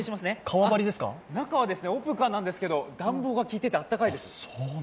中はオープンカーなんですけど、暖房がきいてて温かいです。